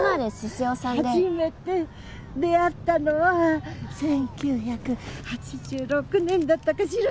初めて出会ったのは１９８６年だったかしら。